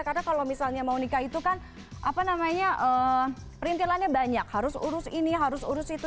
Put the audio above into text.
karena kalau misalnya mau nikah itu kan apa namanya perintilannya banyak harus urus ini harus urus itu